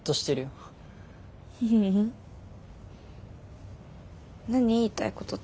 何言いたいことって？